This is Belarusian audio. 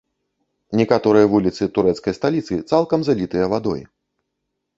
Некаторыя вуліцы турэцкай сталіцы цалкам залітыя вадой.